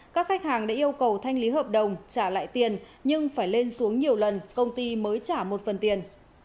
các khách hàng đã yêu cầu thanh lý hợp đồng trả lại tiền nhưng phải lên xuống nhiều lần công ty mới trả một phần tiền